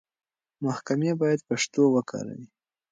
محکمې بايد پښتو وکاروي.